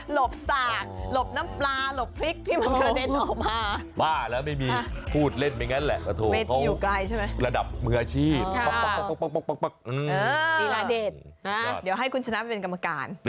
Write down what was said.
หลบสากหลบน้ำปลาหลบพริกที่มันกระเด็นออกมา